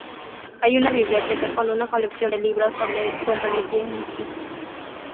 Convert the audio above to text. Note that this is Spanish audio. Hay una biblioteca con una colección de libros sobre el cuento de Genji.